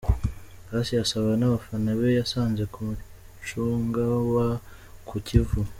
Assia asabana n'abafana be yasanze ku mucanga wo ku Kivu.